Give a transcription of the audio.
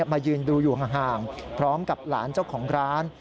มายืนดูอยู่ห่างพร้อมกับหลานเจ้าของร้าน